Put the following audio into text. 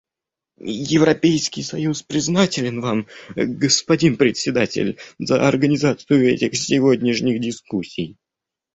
Европейский союз признателен Вам, господин Председатель, за организацию этих сегодняшних дискуссий.